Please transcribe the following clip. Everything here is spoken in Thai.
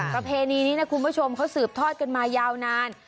ประเพณีนี้นะคุณผู้ชมเขาสืบทอดกันมายาวนาน